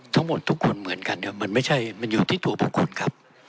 ทั้งหมดทุกคนเหมือนกันมันไม่ใช่มันอยู่ที่ตัวบุคคลครับ